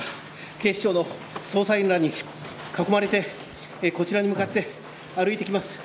警視庁の捜査員らに囲まれてこちらに向かって歩いてきます。